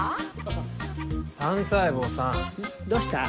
どうした？